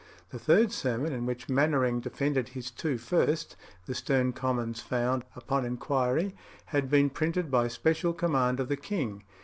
The third sermon in which Mainwaring defended his two first, the stern Commons found upon inquiry had been printed by special command of the king.